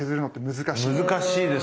難しいですね。